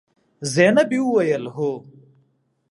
زينبې وويل: هو.